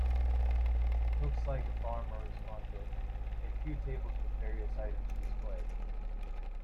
Looks like a farmers market, a few tables with various items displayed.